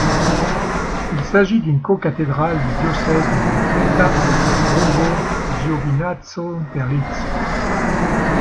Il s'agit d'une cocathédrale du diocèse de Molfetta-Ruvo-Giovinazzo-Terlizzi.